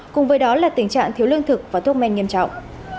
cùng với đó là tình trạng thiếu lương thực và thuốc men nghiêm trọng